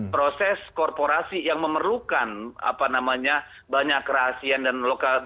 proses korporasi yang memerlukan apa namanya banyak rahasian dan perusahaan